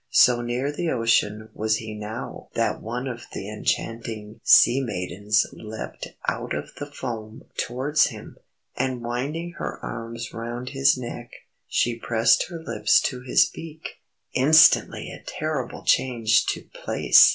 So near the ocean was he now that one of the enchanting sea maidens leapt out of the foam towards him, and winding her arms round his neck, she pressed her lips to his beak. Instantly a terrible change too place!